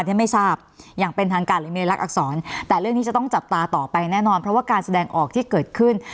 ที่ไม่ทราบอย่างเป็นทางการหรือมีลักษรแต่เรื่องนี้จะต้องจับตาต่อไปแน่นอนเพราะว่าการแสดงออกที่เกิดขึ้น